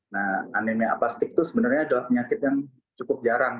nah anemia apastik itu sebenarnya adalah penyakit yang cukup jarang